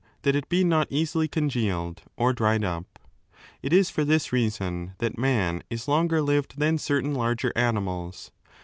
V. CAUSES OF LONG LIFE 265 that it be not easily congealed or dried up. It is for 4 this reason that man is longer lived than certain larger animals.